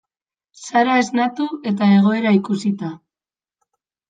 Sara esnatu eta egoera ikusita.